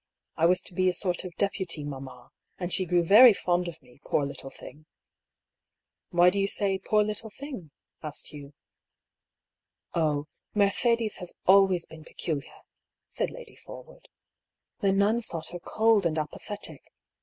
I was to be a sort of dep uty mamma ; and she grew very fond of me, poor little thing !" "Why do you say *poor little thing'?" asked Hugh. " Oh, Mercedes has always been peculiar," said Lady Forwood. " The nuns thought her cold and apathetic.